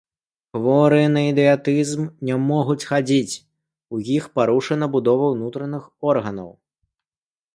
Хворыя на ідыятызм не могуць хадзіць, у іх парушана будова ўнутраных органаў.